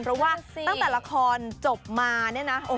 เพราะว่าตั้งแต่ละครจบมาเนี่ยนะ